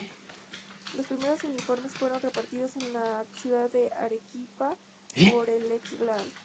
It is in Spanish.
Los primeros uniformes fueron repartidos en la ciudad de Arequipa por el ex Gral.